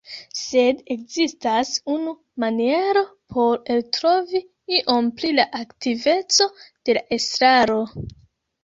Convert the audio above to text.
Sed ekzistas unu maniero por eltrovi iom pri la aktiveco de la estraro.